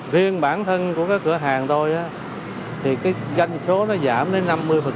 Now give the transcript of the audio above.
riêng bản thân của cái cửa hàng tôi thì cái doanh số nó giảm đến năm mươi